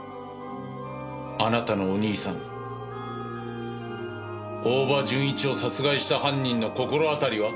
あなたのお兄さん大庭純一を殺害した犯人の心当たりは？